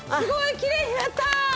きれいになった！